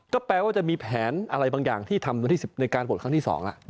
ก็แปลว่าจะมีแผนอะไรบางอย่างที่ทำในการบทครั้งที่๒